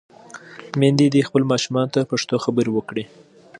میندې دې خپلو ماشومانو ته پښتو خبرې وکړي.